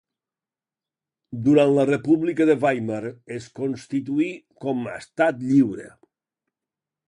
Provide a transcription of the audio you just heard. Durant la República de Weimar es constituí com a Estat Lliure.